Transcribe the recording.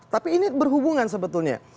tapi ini berhubungan sebetulnya